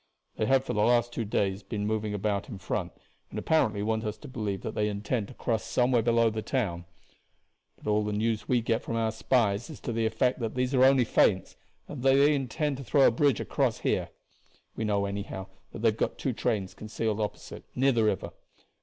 They have for the last two days been moving about in front, and apparently want us to believe that they intend to cross somewhere below the town; but all the news we get from our spies is to the effect that these are only feints and that they intend to throw a bridge across here. We know, anyhow, they have got two trains concealed opposite, near the river.